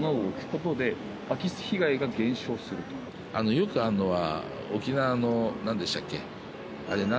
よくあるのは。